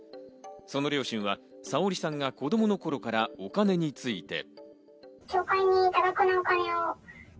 その両親はさおりさんが子供の頃からお金について。